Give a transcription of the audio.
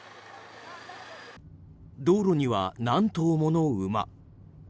道路には何頭もの馬。